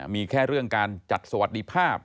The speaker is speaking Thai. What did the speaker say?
มีแค่เรื่องการจัดสวัสดิภาพ